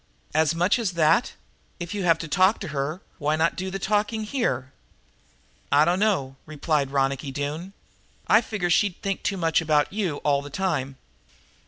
"As much as that? If you have to talk to her, why not do the talking here?" "I dunno," replied Ronicky Doone. "I figure she'd think too much about you all the time."